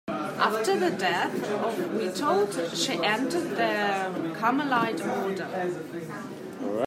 After the death of Witold she entered the Carmelite Order.